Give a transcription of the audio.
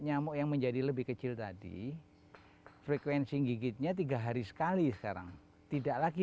nyamuk yang menjadi lebih kecil tadi frekuensi gigitnya tiga hari sekali sekarang tidak lagi